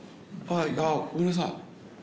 ああごめんなさい。